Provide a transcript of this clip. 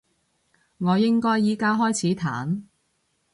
我應該而家開始彈？